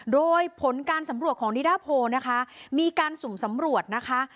โดยผลการสำรวจของนิดาโพนะคะมีการสุ่มสำรวจนะคะ